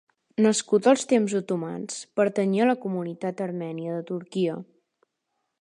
Nascut als temps otomans, pertanyia a la comunitat armènia de Turquia.